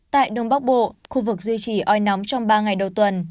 tại đông bắc bộ khu vực duy trì oi nóng trong ba ngày đầu tuần